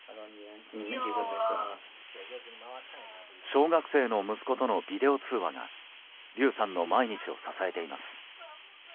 小学生の息子とのビデオ通話がリュウさんの毎日を支えています。